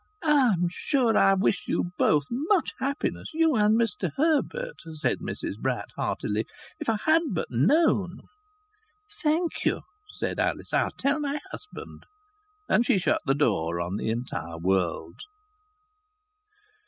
"I'm sure I wish you both much happiness, you and Mr Herbert," said Mrs Bratt, heartily. "If I had but known " "Thank you," said Alice, "I'll tell my husband." And she shut the door on the entire world.